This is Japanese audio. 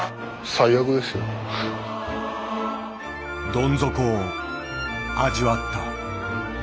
どん底を味わった。